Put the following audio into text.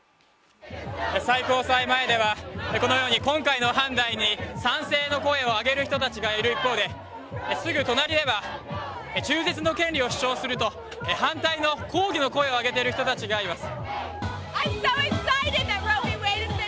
最高裁前ではこのように今回の判断に賛成の声を上げる人たちがいる一方ですぐ隣では、中絶の権利を主張すると反対の抗議の声を上げている人たちがいます。